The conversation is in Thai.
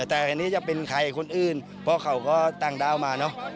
แต่อันนี้จะเป็นใครคนอื่นเพราะเขาก็ต่างด้าวมาเนอะ